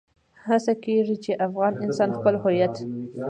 هڅه کېږي چې افغان انسان خپل هويت.